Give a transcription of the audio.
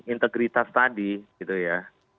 integritas tadi gitu ya